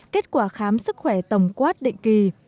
kết quả khám sức khỏe tổng quát định kỳ